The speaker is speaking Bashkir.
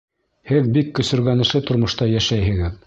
— Һеҙ бик көсөргәнешле тормошта йәшәйһегеҙ.